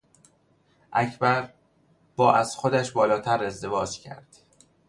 اکبر با از خودش بالاتر ازدواج کرد.